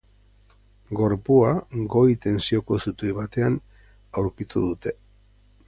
Gorpua goi-tentsioko zutoi batean aurkitu dute.